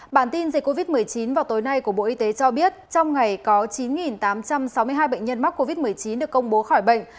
bản tin dịch covid một mươi chín vào tối nay của bộ y tế cho biết trong ngày có chín tám trăm sáu mươi hai bệnh nhân mắc covid một mươi chín được công bố khỏi bệnh